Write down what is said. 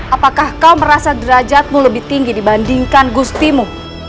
apakah kau merasa derajatmu lebih tinggi dibandingkan gustimu